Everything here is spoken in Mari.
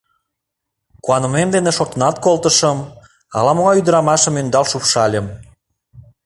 Куанымем дене шортынат колтышым, ала-могай ӱдырамашым ӧндал шупшальым...